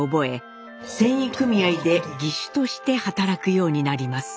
繊維組合で技手として働くようになります。